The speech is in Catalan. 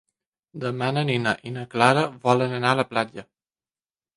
Demà na Nina i na Clara volen anar a la platja.